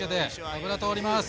油通ります！